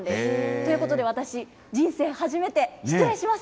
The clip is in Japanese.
ということで、私、人生初めて失礼します。